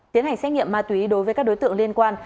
tiến hành xét nghiệm ma túy đối với các đối tượng liên quan